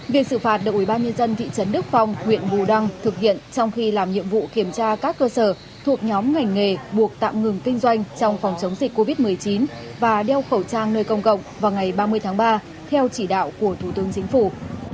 việc xử phạt đội ubnd thị trấn đức phong huyện bù đăng thực hiện trong khi làm nhiệm vụ kiểm tra các cơ sở thuộc nhóm ngành nghề buộc tạm ngừng kinh doanh trong phòng chống dịch covid một mươi chín và đeo khẩu trang nơi công cộng vào ngày ba mươi tháng ba theo chỉ đạo của thủ tướng chính phủ